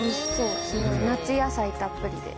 夏野菜たっぷりで。